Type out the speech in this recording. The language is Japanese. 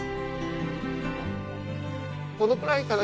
このくらいかな？